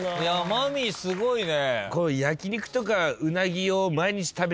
マミィすごいね。